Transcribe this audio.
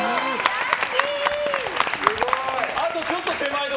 ラッキー！